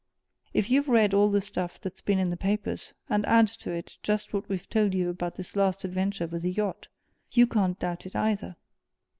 If you've read all the stuff that's been in the papers, and add to it just what we've told you about this last adventure with the yacht, you can't doubt it, either."